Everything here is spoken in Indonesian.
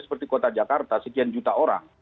seperti kota jakarta sekian juta orang